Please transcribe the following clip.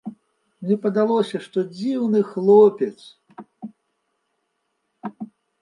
Мне падалося, што дзіўны хлопец.